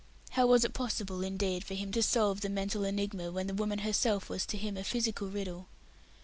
How was it possible, indeed, for him to solve the mental enigma when the woman herself was to him a physical riddle?